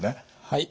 はい。